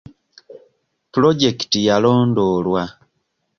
Pulojekiti yalondoolwa.